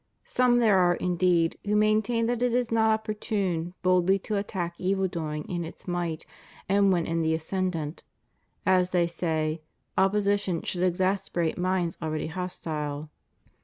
Some there are, indeed, who maintain that it is not opportune boldly to attack evil doing in its might and when in the ascendant, lest, as they say, opposition should exasperate minds already hostile.